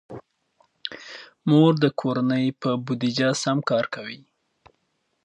مور د کورنۍ په بودیجه سم کار کوي.